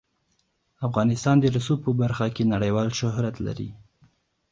افغانستان د رسوب په برخه کې نړیوال شهرت لري.